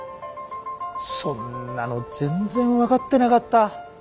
そんなの全然分かってなかった。